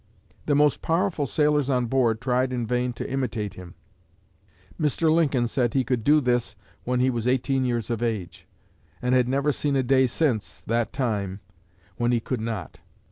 The most powerful sailors on board tried in vain to imitate him. Mr. Lincoln said he could do this when he was eighteen years of age, and had never seen a day since that time when he could not.